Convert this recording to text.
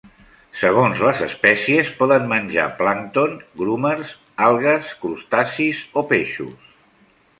Segons les espècies poden menjar plàncton, grumers, algues, crustacis o peixos.